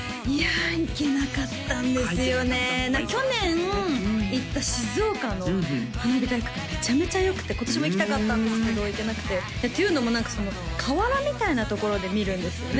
あ行けなかった去年行った静岡の花火大会がめちゃめちゃよくて今年も行きたかったんですけど行けなくてというのも河原みたいなところで見るんですよね